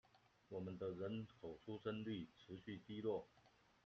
我們的人口出生率持續低落